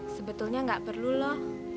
sebetulnya gak perlu loh